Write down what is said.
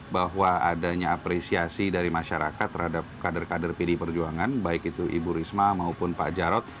bahwa adanya apresiasi dari masyarakat terhadap kader kader pdi perjuangan baik itu ibu risma maupun pak jarod